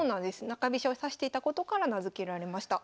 中飛車を指していたことから名付けられました。